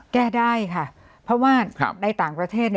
แก้ได้ค่ะเพราะว่าในต่างประเทศ